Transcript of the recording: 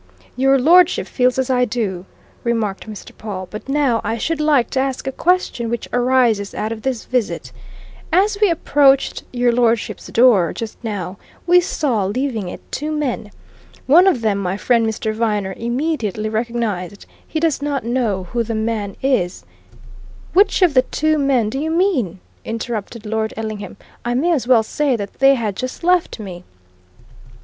"Your lordship feels as I do," remarked Mr. Pawle. "But now I should like to ask a question which arises out of this visit. As we approached your lordship's door, just now, we saw, leaving it, two men. One of them, my friend Mr. Viner immediately recognized. He does not know who the man is " "Which of the two men do you mean!" interrupted Lord Ellingham. "I may as well say that they had just left me."